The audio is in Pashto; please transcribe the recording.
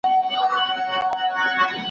ایا واړه پلورونکي انځر صادروي؟